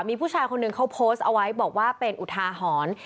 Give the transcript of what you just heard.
มีผู้ชายคนหนึ่งเขาโพสต์เอาไว้บอกว่าเป็นอุทาหรณ์